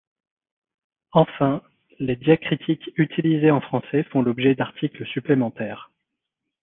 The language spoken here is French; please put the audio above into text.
Enfin, les diacritiques utilisés en français font l'objet d'articles supplémentaires.